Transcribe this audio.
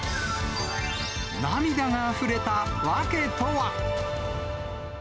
涙があふれた訳とは。